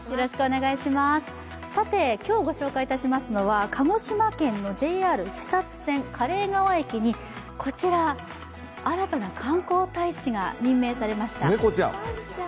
今日ご紹介いたしますのは鹿児島県のＪＲ肥薩線嘉例川駅に、こちら、新たな観光大使が任命されました。